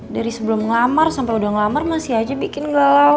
dari sebelum ngelamar sampai udah ngelamar masih aja bikin gelap